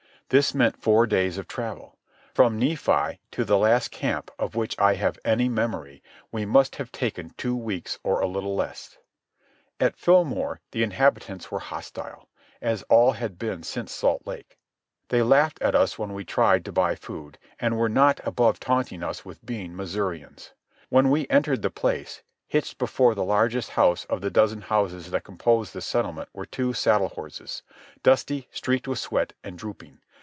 This meant four days of travel. From Nephi to the last camp of which I have any memory we must have taken two weeks or a little less. At Fillmore the inhabitants were hostile, as all had been since Salt Lake. They laughed at us when we tried to buy food, and were not above taunting us with being Missourians. When we entered the place, hitched before the largest house of the dozen houses that composed the settlement were two saddle horses, dusty, streaked with sweat, and drooping.